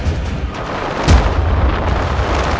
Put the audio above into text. bagaimana obat dua an yang berlanjutan jetzt